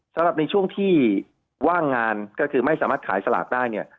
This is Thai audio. สำหรับในช่วงที่ว่างงานก็คือไม่สามารถขายสลากได้เนี่ย